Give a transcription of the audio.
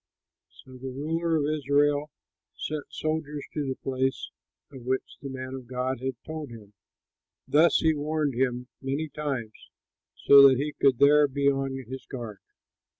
So the ruler of Israel sent soldiers to the place of which the man of God had told him. Thus he warned him many times, so that he could there be on his guard.